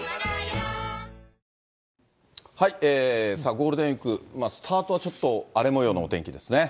ゴールデンウィーク、スタートはちょっと荒れもようのお天気ですね。